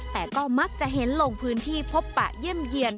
แต่ก็มักจะเห็นลงพื้นที่พบปะเยี่ยมเยี่ยน